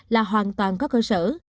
là hoàn toàn có cơ sở